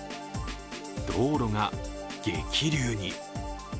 道路が激流に。